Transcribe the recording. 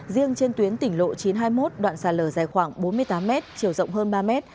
riêng trên tuyến tỉnh lộ chín trăm hai mươi một đoạn sạt lở dài khoảng bốn mươi tám m chiều rộng hơn ba m